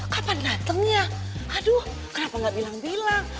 kapan datengnya aduh kenapa gak bilang bilang